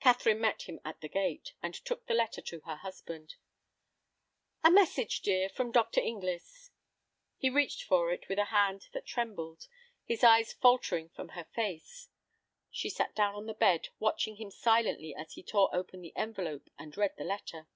Catherine met him at the gate, and took the letter to her husband. "A message, dear, from Dr. Inglis." He reached for it with a hand that trembled, his eyes faltering from her face. She sat down by the bed, watching him silently as he tore open the envelope and read the letter.